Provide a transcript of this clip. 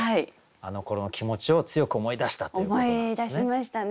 あのころの気持ちを強く思い出したっていうことなんですね。